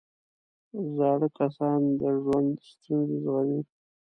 زاړه کسان د ژوند ستونزې زغمي